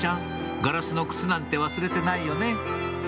ガラスの靴なんて忘れてないよね